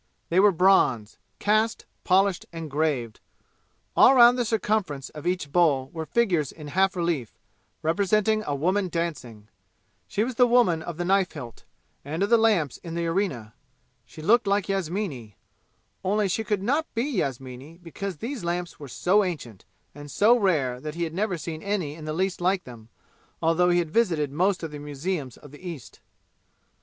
They were bronze, cast, polished and graved. All round the circumference of each bowl were figures in half relief, representing a woman dancing. She was the woman of the knife hilt, and of the lamps in the arena! She looked like Yasmini! Only she could not be Yasmini because these lamps were so ancient and so rare that he had never seen any in the least like them, although he had visited most of the museums of the East.